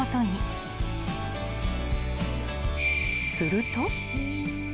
［すると］